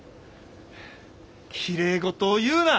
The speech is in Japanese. きれい事を言うな！